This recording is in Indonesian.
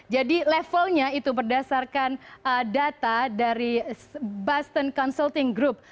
jadi levelnya itu berdasarkan data dari boston consulting group